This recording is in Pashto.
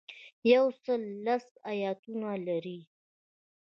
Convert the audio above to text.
یو سل لس ایاتونه لري.